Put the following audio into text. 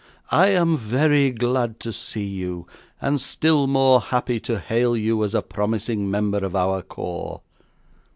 'I am very glad to see you, and still more happy to hail you as a promising member of our corps.